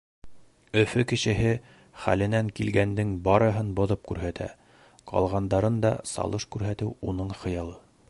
Өфө кешеһе хәленән килгәндең барыһын боҙоп күрһәтә. Ҡалғандарын да салыш күрһәтеү — уның хыялы.